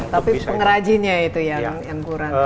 tapi pengrajinnya itu yang kurang